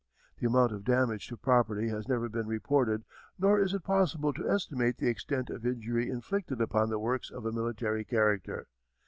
The amount of damage to property has never been reported nor is it possible to estimate the extent of injury inflicted upon works of a military character.